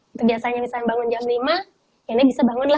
misalnya bangun jam lima ini bisa bangun